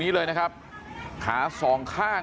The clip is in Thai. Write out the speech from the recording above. สวัสดีครับคุณผู้ชาย